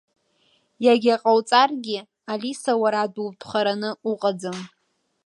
Иагьа ҟауҵаргьы, Алиса уара дутәхараны уҟаӡам.